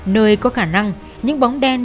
nơi có khả năng những bóng đen